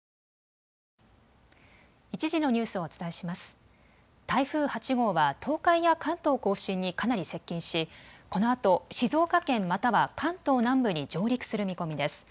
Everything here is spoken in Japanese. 台風８号は東海や関東甲信にかなり接近し、このあと静岡県、または関東南部に上陸する見込みです。